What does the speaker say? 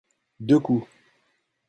deux coups.